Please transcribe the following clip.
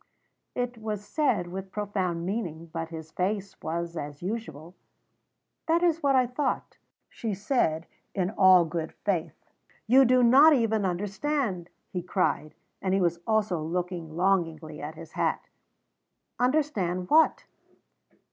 It was said with profound meaning; but his face was as usual. "That is what I thought," she said, in all good faith. "You do not even understand!" he cried, and he was also looking longingly at his hat. "Understand what?"